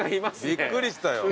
びっくりしたよ。